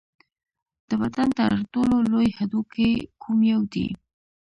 د بدن تر ټولو لوی هډوکی کوم یو دی